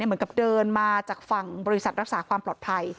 เหมือนกับเดินมาจากฝั่งบริษัทรักษาความปลอดภัย